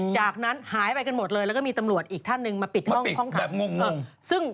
จากนั้นหายไปกันหมดเลยแล้วก็มีตำรวจอีกท่านหนึ่งมาปิดห้องขัง